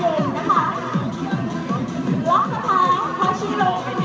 ใอต้นในส่วนแขวนครับ